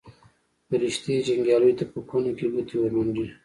فرښتې جنګیالیو ته په کونه کې ګوتې ورمنډي.